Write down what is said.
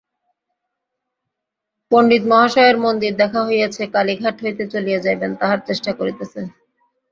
পণ্ডিমহাশয়ের মন্দির দেখা হইয়াছে, কালীঘাট হইতে চলিয়া যাইবেন তাহার চেষ্টা করিতেছেন।